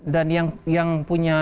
dan yang punya